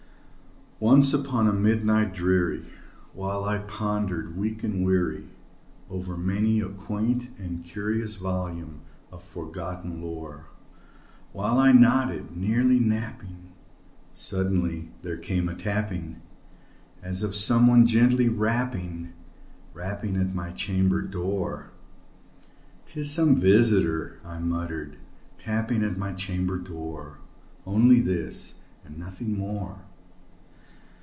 Once upon a midnight dreary, while I pondered, weak and weary, Over many a quaint and curious volume of forgotten lore While I nodded, nearly napping, suddenly there came a tapping, As of some one gently rapping rapping at my chamber door. "'Tis some visitor," I muttered, "tapping at my chamber door Only this and nothing more."